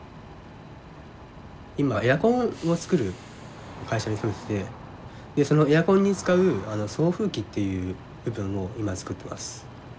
今エアコンを作る会社に勤めててそのエアコンに使う送風機っていう部分を今作ってます。